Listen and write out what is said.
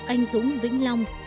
anh dũng vĩnh long